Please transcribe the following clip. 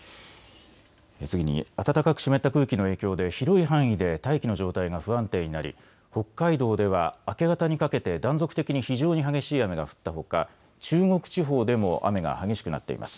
次に暖かく湿った空気の影響で広い範囲で大気の状態が不安定になり北海道では明け方にかけて断続的に非常に激しい雨が降ったほか、中国地方でも雨が激しくなっています。